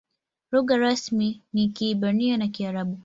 Lugha rasmi ni Kiebrania na Kiarabu.